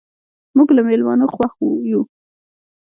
موږ له میلمانه خوښ یو.